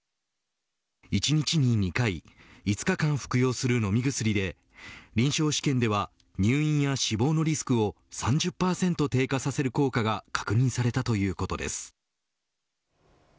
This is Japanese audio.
１日に２回５日間服用する飲み薬で臨床試験では入院や死亡のリスクを３０％低下させる効果が確認されたということです。